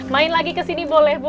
main lagi ke sini boleh bu